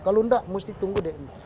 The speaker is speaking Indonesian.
kalau tidak mesti tunggu dna